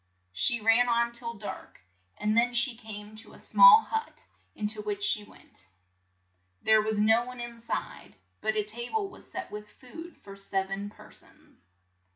She ran on till dark, and then she came to a small hut, in to which she went. There was no one in side, but a ta ble was set with food for sev en per sons.